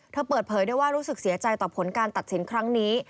เธอเปิดเผยได้ว่ารู้สึกเสียใจต่อผลการตัดสินครั้งนี้